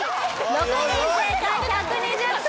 ６人正解１２０点！